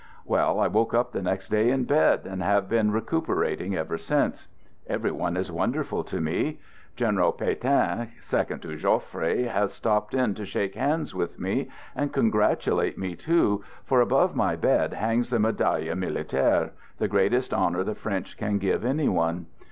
Well, I woke up the next day in bed, and have been recuperating ever since. Every one is won derful to me. General Petain, second to Joff re, has stopped in to shake hands with me, and congratu late me, too, for above my bed hangs the Medaille Militaire, the greatest honor the French can give any one.